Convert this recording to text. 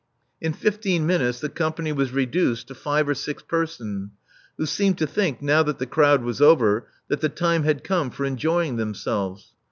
In fifteen minutes the company was reduced to five or six persons, who seemed to think, now that the crowd was over, that the time had come for enjoy ing themselves.